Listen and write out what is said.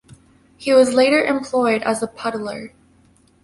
He was later employed as a puddler.